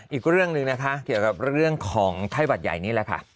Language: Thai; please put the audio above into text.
อีกเรื่องหนึ่งนะคะเกี่ยวกับเรื่องของไข้หวัดใหญ่นี่แหละค่ะ